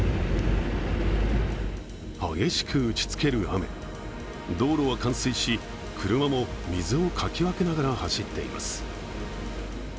激しく打ちつける雨、道路は冠水し、車も水をかき分けながら走っています。